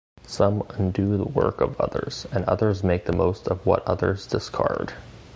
Some undo the work of others, and others make the most of what others discard.